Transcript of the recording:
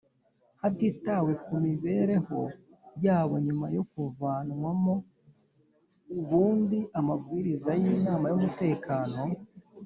hatitawe ku mibereho yabo nyuma yo kuyavanwamo Ubundi amabwiriza y inama y umutekano